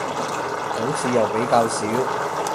好似又比較少